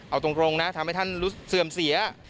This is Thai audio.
เอาตรงนะทำให้ท่านเสื่อมเสีย